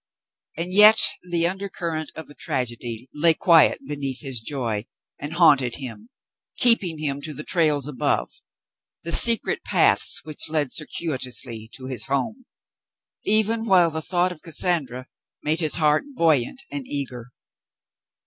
And yet the undercurrent of a tragedy lay quiet beneath his joy and haunted him, keeping him to the trails above, — the secret paths which led circuitously to his home, — even while the thought of Cassandra^ made his heart buoyant and eager.